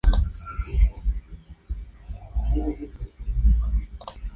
A partir de ahí, comenzó a preguntarse si la vida era buena o mala.